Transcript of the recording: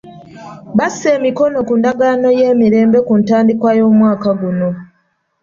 Bassa emikono ku ndagaano y'emirembe ku ntandikwa y'omwaka guno.